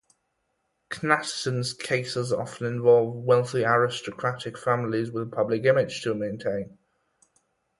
Knatterton's cases often involve wealthy aristocratic families with a public image to maintain.